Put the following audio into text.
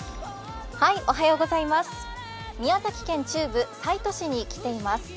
宮崎県中部、西都市に来ています。